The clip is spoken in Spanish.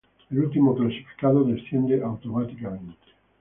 El último clasificado desciende automáticamente.